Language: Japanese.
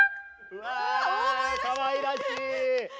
うわかわいらしい。